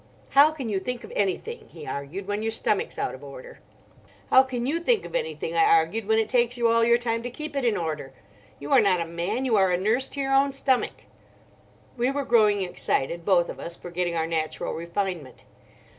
"How can you think of anything," he argued, "when your stomach's out of order?" "How can you think of anything," I argued, "when it takes you all your time to keep it in order? You are not a man; you are a nurse to your own stomach." We were growing excited, both of us, forgetting our natural refinement.